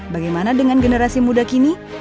bagaimana dengan generasi muda kini